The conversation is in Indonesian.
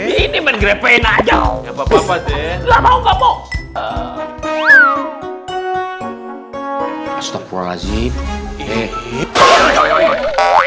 ini mengepein aja